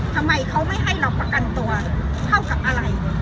ทำไมเขาไม่ให้เราประกันตัวเท่ากับอะไร